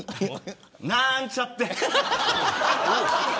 なーんちゃって。